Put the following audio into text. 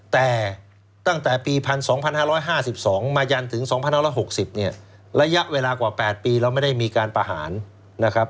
แต่ตั้งแต่ปี๑๒๕๕๒มายันถึง๒๕๖๐เนี่ยระยะเวลากว่า๘ปีเราไม่ได้มีการประหารนะครับ